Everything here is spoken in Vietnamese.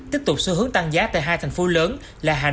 tiếp tục xu hướng tăng giá tại hai thành phố lớn là hai năm triệu đồng